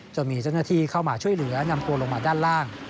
จนมีเจ้าหน้าที่เข้ามาช่วยเหลือนำตัวลงมาด้านล่าง